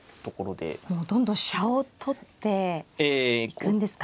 もうどんどん飛車を取っていくんですか。